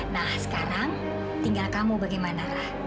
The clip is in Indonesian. nah sekarang tinggal kamu bagaimana rah